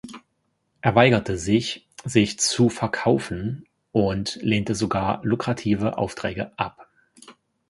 Er weigerte sich, sich 'zu verkaufen' und lehnte sogar lukrative Aufträge ab.